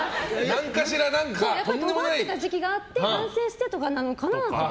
すごいとがってた時期があって反省してとかなのかなって。